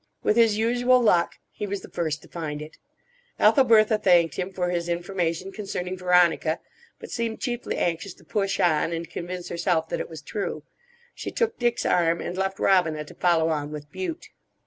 With his usual luck, he was the first to find it. Ethelbertha thanked him for his information concerning Veronica, but seemed chiefly anxious to push on and convince herself that it was true. She took Dick's arm, and left Robina to follow on with Bute.